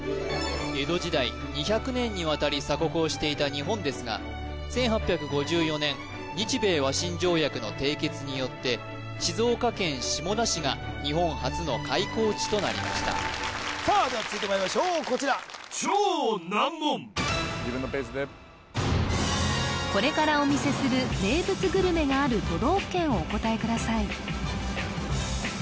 江戸時代２００年にわたり鎖国をしていた日本ですが１８５４年日米和親条約の締結によって静岡県下田市が日本初の開港地となりましたさあでは続いてまいりましょうこちら・自分のペースでこれからお見せする名物グルメがある都道府県をお答えください